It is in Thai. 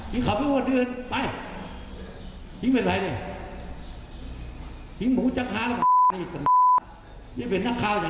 หิงต้องผู้เกียรติเองผมว่าแล้วมันเกือบห้าแหละ